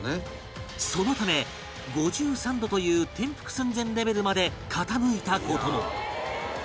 そのため５３度という転覆寸前レベルまで傾いた事も